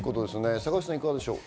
坂口さん、いかがでしょう？